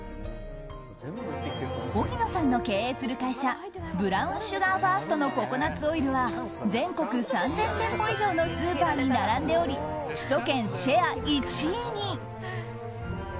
荻野さんの経営する会社ＢＲＯＷＮＳＵＧＡＲ１ＳＴ．のココナッツオイルは全国３０００店舗以上のスーパーに並んでおり首都圏シェア１位に。